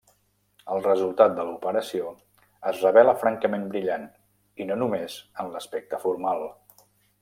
El resultat de l'operació es revela francament brillant, i no només en l'aspecte formal.